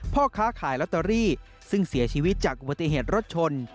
พ่อค้าขายลอตเตอรี่ซึ่งเสียชีวิตจากอุบัติเหตุรถชน